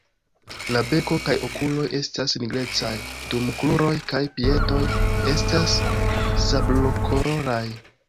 La beko kaj okuloj estas nigrecaj, dum kruroj kaj piedoj estas sablokoloraj.